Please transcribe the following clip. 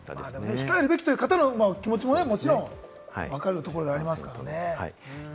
控えるべきという方の気持ちも分かるところではありますね。